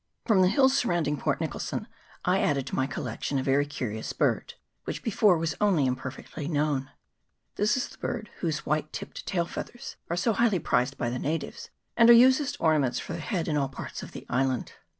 From the hills surrounding Port Nicholson I added to my collection a very curious bird, which before was only imperfectly known. This is the bird whose white tipped tail feathers are so highly prized by the natives, and are used as ornaments for the head in all parts of the island.